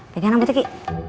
pegang rambutnya ki